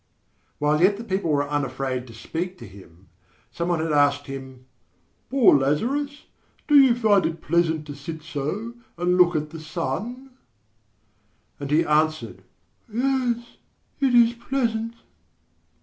While yet the people were unafraid to speak to him, same one had asked him: "Poor Lazarus! Do you find it pleasant to sit so, and look at the sun?" And he answered: "Yes, it is pleasant."